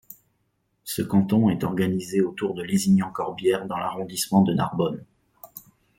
Ce canton est organisé autour de Lézignan-Corbières dans l'arrondissement de Narbonne.